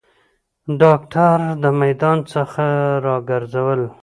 داکتر د میدان څخه راګرځول